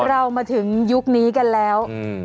เรามาถึงยุคนี้กันแล้ว